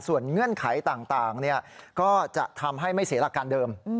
ส่วนเงื่อนไขต่างก็จะทำให้ไม่เสียหลักการเดิม